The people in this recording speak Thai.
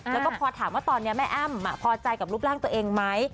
แล้วก็พอถามว่าตอนนี้แม่อ้ำพอใจกับรูปร่างตัวเองไหม